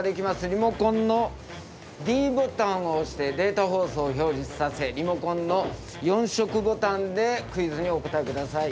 リモコンのｄボタンを押してデータ放送を表示させリモコンの４色ボタンでクイズにお答え下さい。